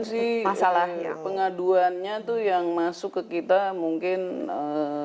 sekarang sih pengaduannya itu yang masuk ke kita mungkin satu tujuh ratus an